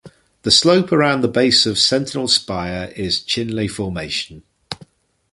The slope around the base of Sentinel Spire is Chinle Formation.